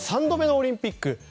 ３度目のオリンピック。